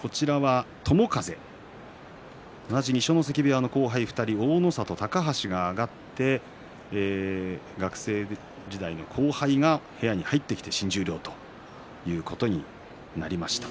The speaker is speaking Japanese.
友風同じ二所ノ関部屋の後輩２人大の里、高橋が上がって学生時代の後輩が部屋に入ってきて新十両となりました。